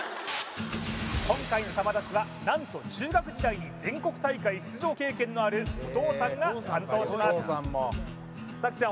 今回の球出しは何と中学時代に全国大会出場経験のあるお父さんが担当します咲ちゃん